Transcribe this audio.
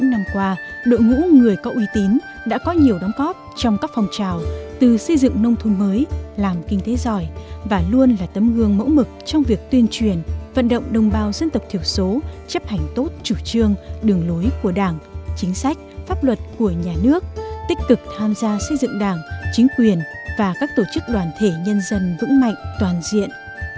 hôm qua đội ngũ người có uy tín đã có nhiều đóng góp trong các phòng trào từ xây dựng nông thôn mới làm kinh tế giỏi và luôn là tấm gương mẫu mực trong việc tuyên truyền vận động đồng bào dân tộc thiểu số chấp hành tốt chủ trương đường lối của đảng chính sách pháp luật của nhà nước tích cực tham gia xây dựng đảng chính quyền và các tổ chức đoàn thể nhân dân vững mạnh toàn diện